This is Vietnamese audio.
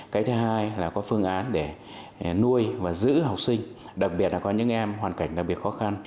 cái thứ hai là có phương án để nuôi và giữ học sinh đặc biệt là có những em hoàn cảnh đặc biệt khó khăn